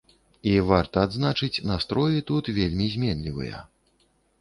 І, варта адзначыць, настроі тут вельмі зменлівыя.